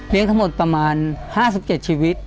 เลี้ยงทั้งหมดประมาณ๕๗ชีวิต